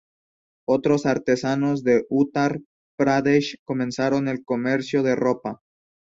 Otros artesanos de Uttar Pradesh comenzaron el comercio de ropa.